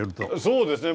そうですね。